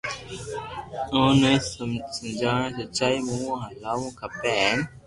اپو ني سچائي مون ھالووُ کپي ھين